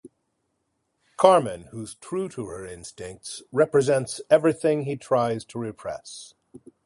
Carmen, who's true to her instincts, represents everything he tries to repress.